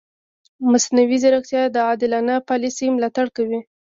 مصنوعي ځیرکتیا د عادلانه پالیسي ملاتړ کوي.